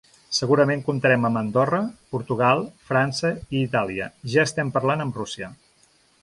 Segurament comptarem amb Andorra, Portugal, França i Itàlia i ja estem parlant amb Rússia.